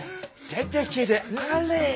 出てけであれ！